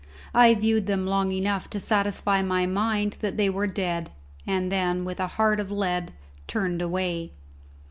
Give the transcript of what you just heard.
I viewed them long enough to satisfy my mind that they were dead, and then with a heart of lead turned away.